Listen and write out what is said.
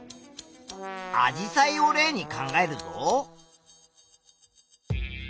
アジサイを例に考えるぞ。